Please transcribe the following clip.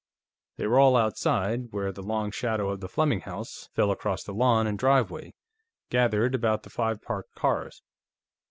They were all outside, where the long shadow of the Fleming house fell across the lawn and driveway, gathered about the five parked cars.